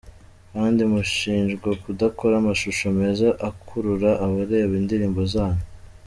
Kandi mushinjwa kudakora amashusho meza akurura abareba indirimbo zanyu.